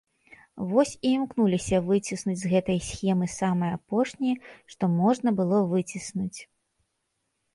Вось і імкнуліся выціснуць з гэтай схемы самае апошняе, што можна было выціснуць.